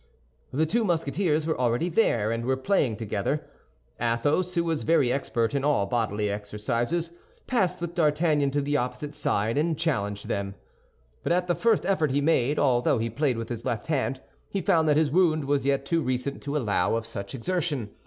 The two Musketeers were already there, and were playing together. Athos, who was very expert in all bodily exercises, passed with D'Artagnan to the opposite side and challenged them; but at the first effort he made, although he played with his left hand, he found that his wound was yet too recent to allow of such exertion.